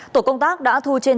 tổ công tác đã thu trên